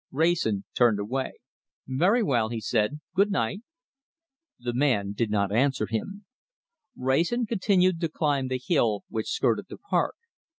Wrayson turned away. "Very well," he said. "Good night!" The man did not answer him. Wrayson continued to climb the hill which skirted the park.